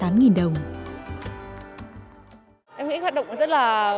em nghĩ hoạt động rất là